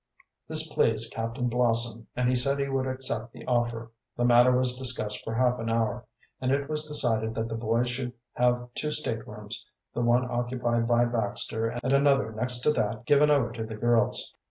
This pleased Captain Blossom and he said he would accept the offer. The matter was discussed for half an hour, and it was decided that the boys should have two staterooms, the one occupied by Baxter and another next to that given over to the girls.